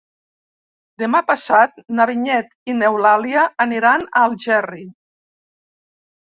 Demà passat na Vinyet i n'Eulàlia aniran a Algerri.